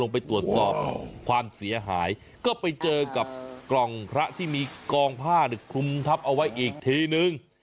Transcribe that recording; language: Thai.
ไปตรวจสอบความเสียหายก็ไปเจอกับกล่องพระที่มีกองผ้าคลุมทับเอาไว้อีกทีนึง